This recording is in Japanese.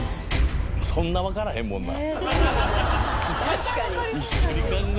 そんな分からへんもんなん？